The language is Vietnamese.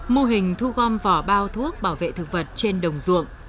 mô hình thu gom vỏ bao thuốc bảo vệ thực vật trên đồng ruộng